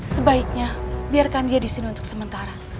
sebaiknya biarkan dia disini untuk sementara